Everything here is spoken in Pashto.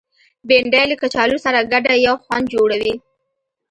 بېنډۍ له کچالو سره ګډه یو خوند جوړوي